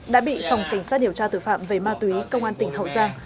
đã bị phòng cảnh sát điều tra tội phạm về ma túy công an tỉnh hậu giang